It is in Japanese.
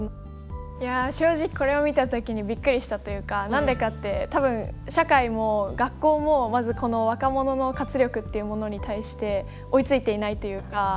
いや正直これを見た時にびっくりしたというか何でかって多分社会も学校もまずこの若者の活力っていうものに対して追いついていないというか。